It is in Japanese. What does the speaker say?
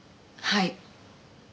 はい。